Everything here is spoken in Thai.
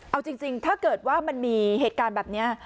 เอาจริงถ้าเกิดว่ามันมีเหตุการณ์แบบนี้